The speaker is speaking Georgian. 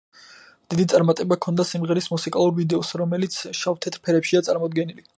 დიდი წარმატება ჰქონდა სიმღერის მუსიკალურ ვიდეოს, რომელიც შავ-თეთრ ფერებშია წარმოდგენილი.